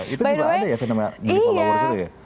itu juga ada ya fenomena beli followers itu ya